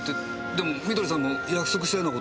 でも美登里さんも約束したような事を。